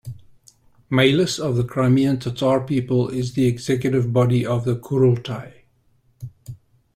Mejlis of the Crimean Tatar People is the executive body of the Kurultai.